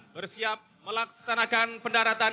bersiap melaksanakan pendaratan